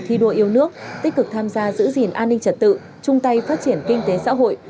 thi đua yêu nước tích cực tham gia giữ gìn an ninh trật tự chung tay phát triển kinh tế xã hội